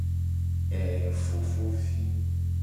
Ee fofovi.